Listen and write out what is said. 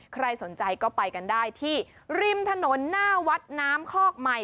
ใครสนใจก็ไปกันได้ที่ริมถนนหน้าวัดน้ำคอกใหม่